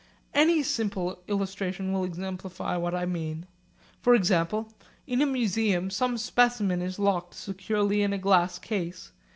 Any simple illustration will exemplify what I mean. For example, in a museum some specimen is locked securely in a glass case.